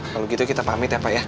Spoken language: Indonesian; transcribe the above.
kalau gitu kita pamit ya pak ya